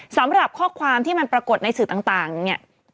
สำหรับข้อความที่มันปรากฏในสื่อต่างเนี่ย